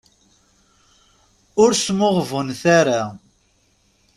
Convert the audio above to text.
Ur smuɣbunet ara.